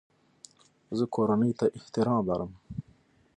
زه کورنۍ ته احترام لرم.